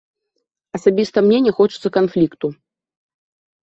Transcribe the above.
Асабіста мне не хочацца канфлікту.